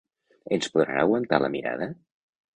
Ens podran aguantar la mirada?